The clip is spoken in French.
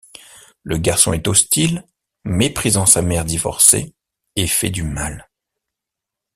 Le garçon est hostile, méprisant sa mère divorcée, et fait du mal.